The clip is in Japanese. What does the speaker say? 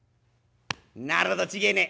「なるほど違えねえ！